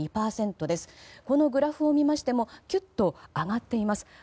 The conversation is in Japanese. このグラフを見ましてもきゅっと上がっています。